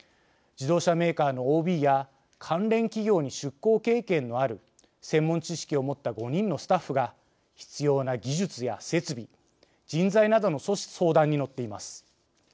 自動車メーカーのＯＢや関連企業に出向経験のある専門知識を持った５人のスタッフが必要な技術や設備人材などの相談に乗っています。